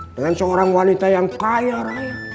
dengan seorang wanita yang kaya raya